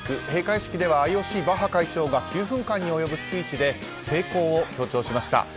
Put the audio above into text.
閉会式ではＩＯＣ、バッハ会長が９分間に及ぶスピーチで成功を強調しました。